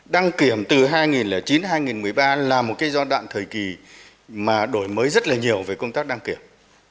đăng kiểm từ hai nghìn chín hai nghìn một mươi ba là một cái giai đoạn thời kỳ mà đổi mới rất là nhiều về công tác đăng kiểm